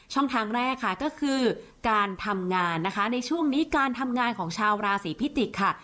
ทางแรกค่ะก็คือการทำงานนะคะในช่วงนี้การทำงานของชาวราศีพิจิกษ์ค่ะ